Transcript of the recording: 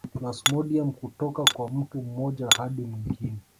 Plasmodiam kutoka kwa mtu mmoja hadi mwingine